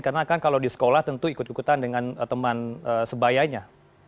karena kan kalau di sekolah tentu ikut ikutan dengan teman sebayanya